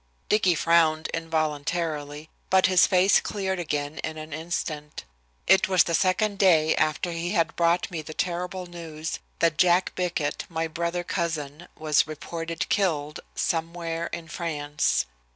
Dicky frowned involuntarily, but his face cleared again in an instant. It was the second day after he had brought me the terrible news that Jack Bickett, my brother cousin, was reported killed "somewhere in France."